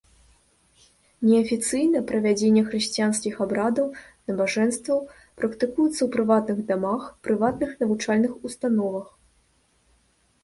Неафіцыйна правядзенне хрысціянскіх абрадаў, набажэнстваў практыкуецца ў прыватных дамах, прыватных навучальных установах.